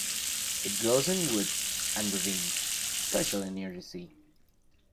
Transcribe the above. It grows in woods and ravines, especially near the sea.